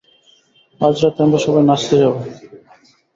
আজ রাতে আমরা সবাই নাচতে যাবো।